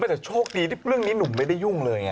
แต่โชคดีที่เรื่องนี้หนุ่มไม่ได้ยุ่งเลยไง